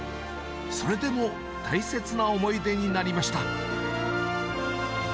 それでも大切な思い出になりました。